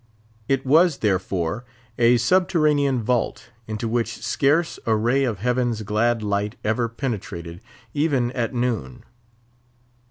It was, therefore, a subterranean vault, into which scarce a ray of heaven's glad light ever penetrated, even at noon.